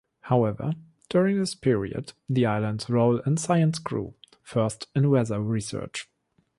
However, during this period, the island's role in science grew, first in weather research.